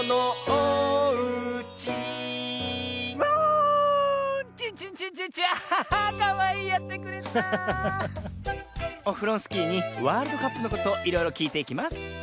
オフロンスキーにワールドカップのことをいろいろきいていきます